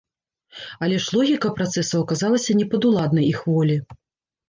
Але ж логіка працэсаў аказалася непадуладнай іх волі.